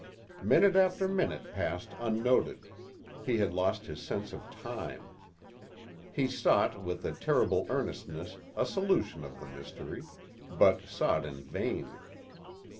Minute after minute passed unnoted; he had lost his sense of time. He sought with a terrible earnestness a solution of the mystery, but sought in vain.